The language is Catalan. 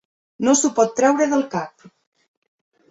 No s'ho pot treure del cap.